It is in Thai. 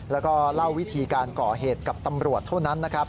และเล่าวิธีการก่อเหตุกับตำรวจโดนนั้น